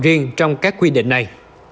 riêng trong các quy định này